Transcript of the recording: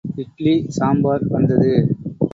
இட்லி, சாம்பார் வந்தது.